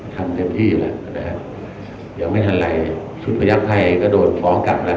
ทำเดิมที่ละนะฮะอย่าให้ทันไหลจุดพยักษ์ใยก็โดนฟ้องกลับละ